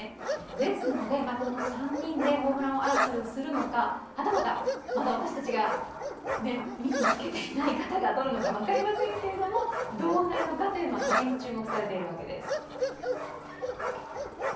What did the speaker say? ですので、この３人でホームラン王争いをするのか、はたまた、また私たちが見つけていない方が取るのか分かりませんけれども、どうなるのかというのは大変注目されているわけです。